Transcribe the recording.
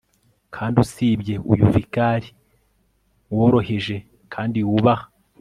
kandi usibye uyu vicar, woroheje kandi wubaha